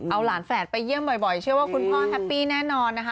เอาหลานแฝดไปเยี่ยมบ่อยเชื่อว่าคุณพ่อแฮปปี้แน่นอนนะคะ